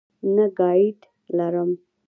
نه ګائیډ لرم.